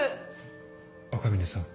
赤嶺さん